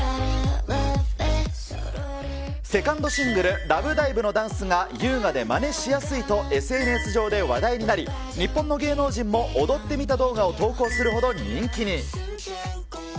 セカンドシングル、ラブダイブのダンスが優雅でまねしやすいとＳＮＳ上で話題になり、日本の芸能人も踊ってみた動画を投稿するほど人気に。